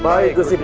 baik gusti prabu